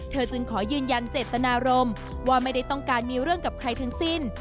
จึงขอยืนยันเจตนารมณ์ว่าไม่ได้ต้องการมีเรื่องกับใครทั้งสิ้น